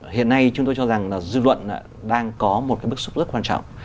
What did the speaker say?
hiện nay chúng tôi cho rằng dư luận đang có một bước xuất rất quan trọng